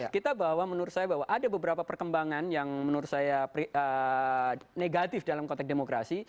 kita bahwa menurut saya bahwa ada beberapa perkembangan yang menurut saya negatif dalam konteks demokrasi